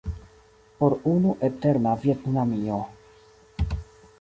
Por unu eterna Vjetnamio.